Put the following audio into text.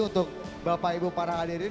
untuk bapak ibu para hadirin